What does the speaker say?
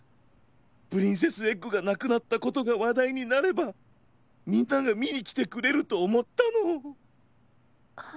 プリンセスエッグがなくなったことがわだいになればみんながみにきてくれるとおもったの。